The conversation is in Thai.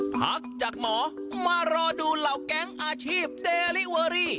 พักจากหมอมารอดูเหล่าแก๊งอาชีพเดลิเวอรี่